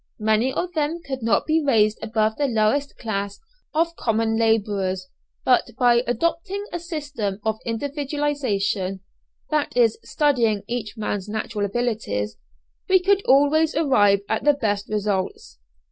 Many of them could not be raised above the lowest class of common labourers, but by adopting a system of individualization, that is studying each man's natural abilities, we could always arrive at the best results.